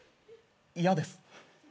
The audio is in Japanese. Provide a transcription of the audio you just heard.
嫌です。